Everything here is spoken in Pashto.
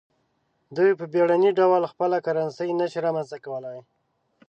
دوی په بیړني ډول خپله کرنسي نشي رامنځته کولای.